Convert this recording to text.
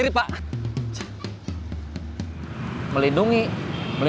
kita akan menikmati